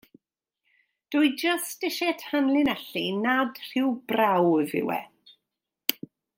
Dwi jyst isie tanlinellu nad rhyw brawf yw e.